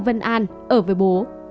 vân an ở với bố